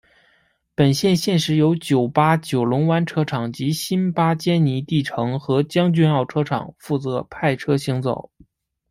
本线现时由九巴九龙湾车厂及新巴坚尼地城和将军澳车厂负责派车行走。